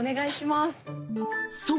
［そう！